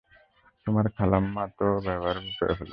তোমার খালাম্মা তো ব্যবহারও করে ফেলছে।